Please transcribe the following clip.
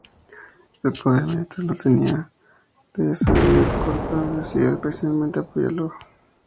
El poder militar lo tenía Deheza, y Alcorta se dedicó especialmente a apoyarlo económicamente.